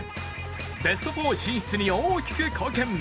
ベスト４進出に大きく貢献。